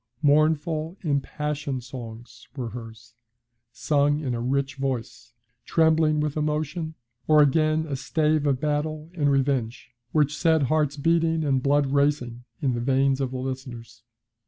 Mournful, impassioned songs were hers, sung in a rich voice, trembling with emotion, or again a stave of battle and revenge, which set hearts beating and blood racing in the veins of the listeners.